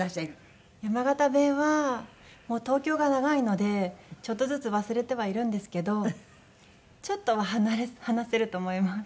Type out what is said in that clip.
山形弁はもう東京が長いのでちょっとずつ忘れてはいるんですけどちょっとは話せると思います。